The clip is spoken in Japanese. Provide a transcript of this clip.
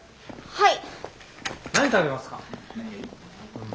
はい。